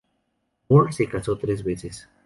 More se casó tres veces.